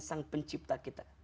sang pencipta kita